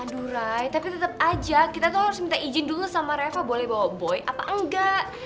durai tapi tetap aja kita tuh harus minta izin dulu sama reva boleh bawa boy apa enggak